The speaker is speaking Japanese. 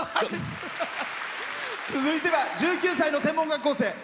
続いては１９歳の専門学校生。